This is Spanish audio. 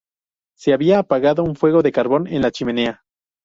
Se había apagado un fuego de carbón en la chimenea.